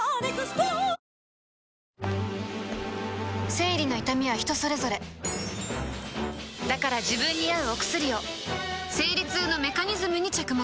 生理の痛みは人それぞれだから自分に合うお薬を生理痛のメカニズムに着目